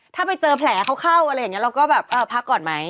ถ้าไปเจอแผลเขาเข้าอะไรอย่างนี้เราก็แบบเออพักก่อนไหม